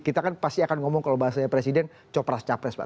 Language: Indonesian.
kita kan pasti akan ngomong kalau bahasanya presiden copras capres pak